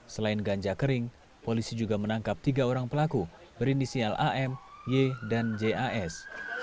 selain ganja kering polisi juga menangkap tiga orang pelaku berinisial am y dan jas